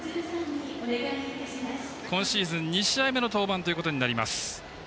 今シーズン２試合目の登板となります。